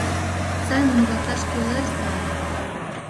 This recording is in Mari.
Сайын муралташ кӱлеш да